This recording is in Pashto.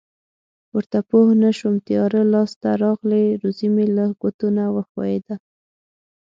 ورته پوه نشوم تیاره لاس ته راغلې روزي مې له ګوتو نه و ښویېده.